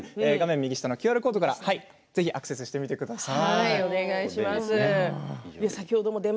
右下のＱＲコードからアクセスしてください。